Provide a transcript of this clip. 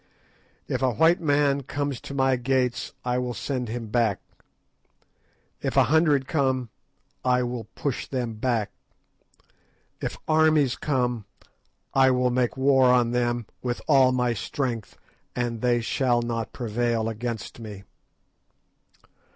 If a white man comes to my gates I will send him back; if a hundred come I will push them back; if armies come, I will make war on them with all my strength, and they shall not prevail against me.